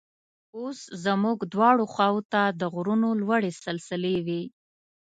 اوس زموږ دواړو خواو ته د غرونو لوړې سلسلې وې.